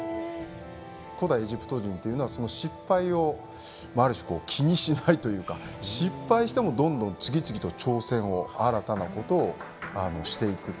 古代エジプト人というのは失敗をある種気にしないというか失敗してもどんどん次々と挑戦を新たなことをしていくという。